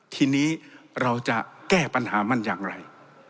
ทีนี้เราจะแก้ปัญหามันอย่างไร